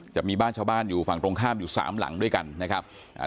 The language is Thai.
จะมีบ้านชาวบ้านอยู่ฝั่งตรงข้ามอยู่สามหลังด้วยกันนะครับอ่า